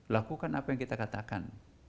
lakukan apa yang kita katakan